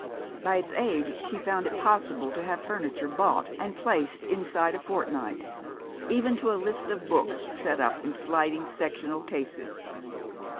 By its aid she found it possible to have furniture bought and placed inside a fortnight, even to a list of books set up in sliding sectional cases.